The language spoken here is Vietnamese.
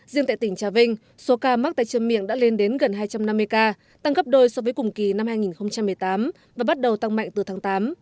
riêng tại tỉnh trà vinh số ca mắc tay chân miệng đã lên đến gần hai trăm năm mươi ca tăng gấp đôi so với cùng kỳ năm hai nghìn một mươi tám và bắt đầu tăng mạnh từ tháng tám